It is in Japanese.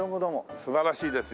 素晴らしいですよ。